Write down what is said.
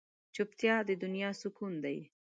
چوپتیا، د دنیا سکون دی.